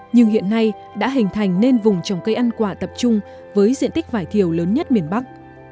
nhưng hiện nay đã hình thành nên vùng trồng cây ăn quả tập trung với diện tích vải thiều lớn nhất miền bắc